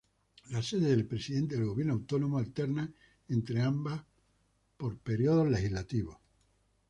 La sede del Presidente del Gobierno autónomo alterna entre ambas por periodos legislativos.